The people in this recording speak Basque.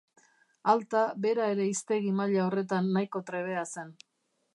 Alta bera ere hiztegi maila horretan nahiko trebea zen.